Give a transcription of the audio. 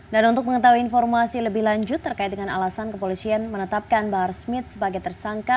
dan untuk mengetahui informasi lebih lanjut terkait dengan alasan kepolisian menetapkan bahar smith sebagai tersangka